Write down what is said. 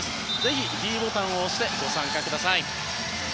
ぜひｄボタンを押してご参加ください。